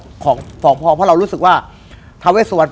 เพราะเรารู้สึกว่าทางเกรงถามค่ะและเราเรียกว่ากลังก็กำและคราพ่อผ้างพ่อ